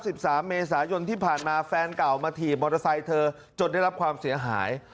สามเมษายนที่ผ่านมาแฟนเก่ามาถีบมอเตอร์ไซค์เธอจนได้รับความเสียหาย